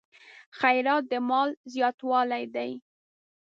خیرات د مال زیاتوالی دی.